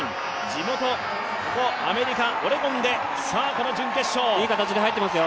地元ここアメリカ・オレゴンでこの準決勝。